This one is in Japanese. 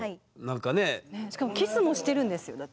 しかもキスもしてるんですよだって。